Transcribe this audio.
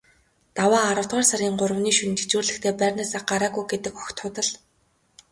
Даваа аравдугаар сарын гуравны шөнө жижүүрлэхдээ байрнаасаа гараагүй гэдэг огт худал.